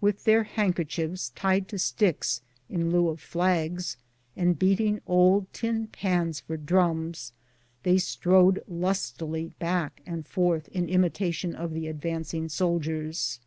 With their handkerchiefs tied to sticks in lieu of flags, and beating old tin pans for drums, they strode lustily back and forth in imitation of the advancing soldiers.